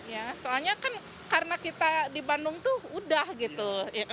ya soalnya kan karena kita di bandung tuh udah gitu